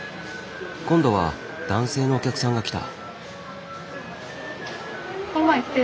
今度は男性のお客さんが来た。